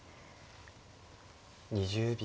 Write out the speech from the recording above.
２０秒。